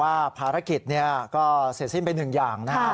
อันนี้เดี๋ยวตอนเย็นเดี๋ยวเราก็จะได้เห็นนะ